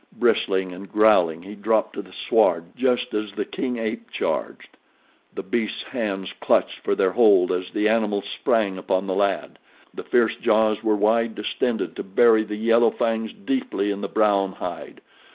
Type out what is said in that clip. Bristling and growling, he dropped to the sward just as the king ape charged. The beast's hands clutched for their hold as the animal sprang upon the lad. The fierce jaws were wide distended to bury the yellow fangs deeply in the brown hide.